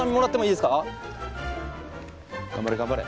頑張れ頑張れ。